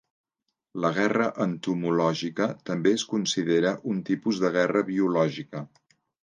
La Guerra entomològica també es considera un tipus de guerra biològica.